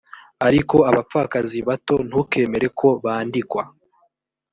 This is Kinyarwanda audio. ariko abapfakazi bato ntukemere ko bandikwa